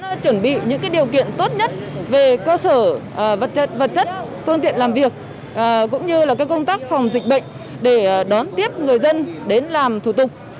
phòng quản lý xuất hợp ảnh vẫn chuẩn bị những điều kiện tốt nhất về cơ sở vật chất phương tiện làm việc cũng như là công tác phòng dịch bệnh để đón tiếp người dân đến làm thủ tục